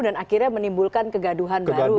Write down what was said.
dan akhirnya menimbulkan kegaduhan baru